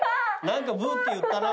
何かブーッていったな。